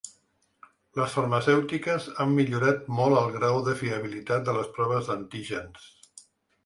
Les farmacèutiques han millorat molt el grau de fiabilitat de les proves d’antígens.